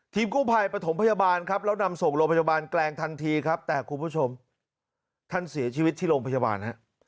กู้ภัยปฐมพยาบาลครับแล้วนำส่งโรงพยาบาลแกลงทันทีครับแต่คุณผู้ชมท่านเสียชีวิตที่โรงพยาบาลฮะ